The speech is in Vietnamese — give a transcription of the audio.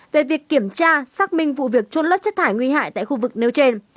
về việc kiểm tra xác minh vụ việc trôn lớp chất thải nguy hại tại khu vực nếu trên